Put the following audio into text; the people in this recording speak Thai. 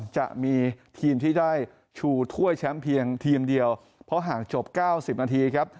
จะมีทีมที่ได้ชูถ้วยแชมป์เพียงทีมเดียวเพราะหากจบ๙๐นาทีครับ